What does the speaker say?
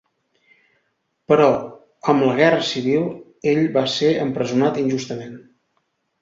Però, amb la Guerra Civil, ell va ser empresonat injustament.